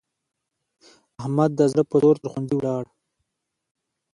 احمد د زړه په زور تر ښوونځي ولاړ.